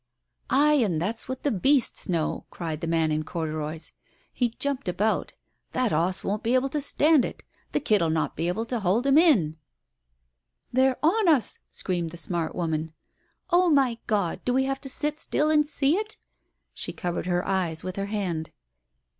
"Ay, and that's what the beasts know!" cried the man in corduroys. He jumped about. "That 'oss won't be able to stand it. The kid'll not be able to hold him in. •.. "They're on us !" screamed the smart woman. "Oh, my God ! Do we have to sit still and see it ?" She covered her eyes with her hand.